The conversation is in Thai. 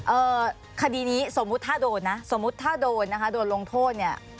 เอ่อคดีนี้สมมุติถ้าโดนนะสมมุติถ้าโดนนะคะโดนลงโทษเนี่ย